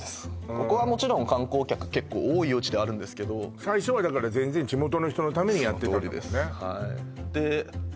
ここはもちろん観光客結構多い夜市ですけど最初はだから全然地元の人のためにやってたんだもんね